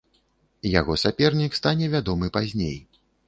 Яго сапернік стане вядомы пазней.